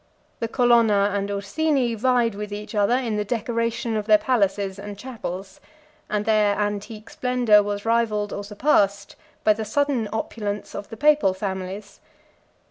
92 The Colonna and Ursini vied with each other in the decoration of their palaces and chapels; and their antique splendor was rivalled or surpassed by the sudden opulence of the papal families.